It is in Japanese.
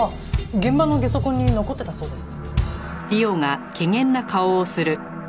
現場のゲソ痕に残ってたそうです。